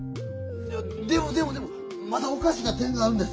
いやでもでもでもまだおかしな点があるんです。